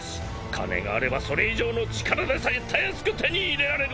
金があればそれ以上の力でさえたやすく手に入れられる！